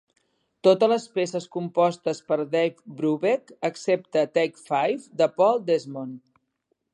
Totes les peces compostes per Dave Brubeck, excepte "Take Five" de Paul Desmond.